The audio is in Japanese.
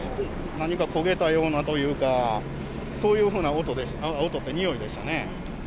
何か焦げたようなというか、そういうふうな音というか、においでしたね。